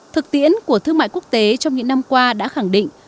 thực tiễn của thương mại quốc tế trong những năm qua đã khẳng định